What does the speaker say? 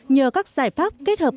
nhờ các giải pháp kết hợp